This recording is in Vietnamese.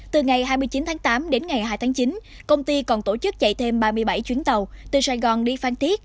từ ngày hai mươi chín tháng tám đến ngày hai tháng chín công ty còn tổ chức chạy thêm ba mươi bảy chuyến tàu từ sài gòn đi phan thiết